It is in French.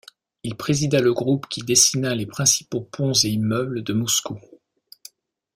Il présida le groupe qui dessina les principaux ponts et immeubles de Moscou.